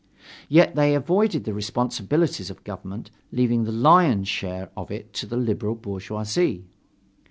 Yet, they avoided the responsibilities of government, leaving the lion's share of it to the liberal bourgeoisie.